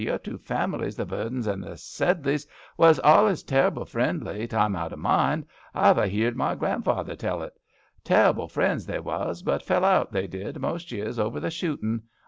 Your two famlies, the Vernons and the Sedleys was alius terrible friendly, time out o* mind — I've a 'eard my grand father tell o' it — terrible friends they was, but fell out, they did, most years over the shootin'.